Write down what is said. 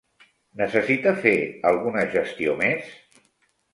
Necessita fer alguna gestió més?